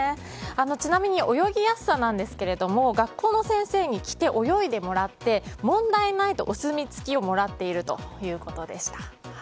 ちなみに泳ぎやすさなんですけれども学校の先生に着て泳いでもらって問題ないとお墨付きをもらっているということでした。